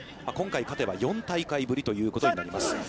今回勝てば、４大会ぶりということになります。